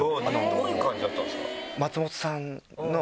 どういう感じだったんですか？